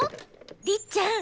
りっちゃん。